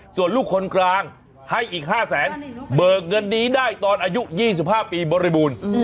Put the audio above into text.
ส่วนลูกคนกลางให้อีก๕แสนเบิกเงินนี้ได้ตอนอายุ๒๕ปีบริบูรณ์